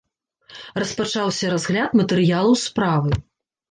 Распачаўся разгляд матэрыялаў справы.